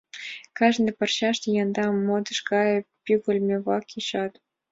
Кажне парчаште янда модыш гае пӱгыльмӧ-влак кечат.